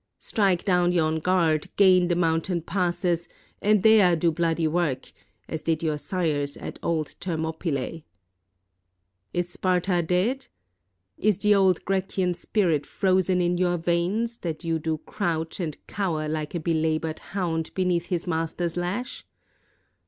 Strike down yon guard, gain the mountain passes, and there do bloody work, as did your sires at old Thermopylae! 363 ROME Is Sparta dead? Is the old Grecian spirit frozen in your veins, that you do crouch and cower like a belabored hound beneath his master's lash?